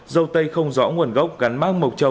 dâu tây không rõ nguồn gốc gắn mát mộc châu